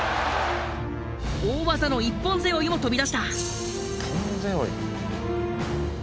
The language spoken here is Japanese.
大技の一本背負いも飛び出した。